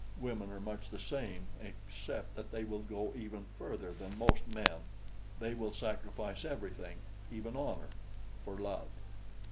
Women are much the same, except that they will go even further than most men they will sacrifice everything, even honor, for love."